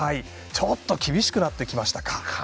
ちょっと厳しくなってきましたか。